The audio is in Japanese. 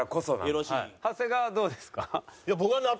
長谷川はどうですか？